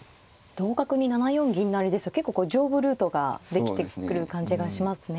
同角に７四銀成ですと結構こう上部ルートができてくる感じがしますね。